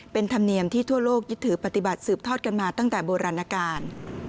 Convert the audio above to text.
เป็นธรรมเนียมที่ทั่วโลกยึดถือปฏิบัติสืบทอดกันมาตั้งแต่โบราณการ